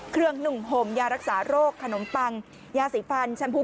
หนุ่มห่มยารักษาโรคขนมปังยาสีฟันแชมพู